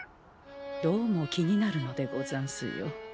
どうも気になるのでござんすよ。